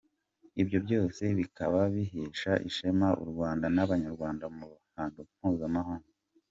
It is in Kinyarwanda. Ibyo byose bikaba bihesha ishema u Rwanda n’abanyarwanda mu ruhando mpuzamahanga.